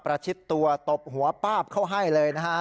ชิดตัวตบหัวป้าบเข้าให้เลยนะฮะ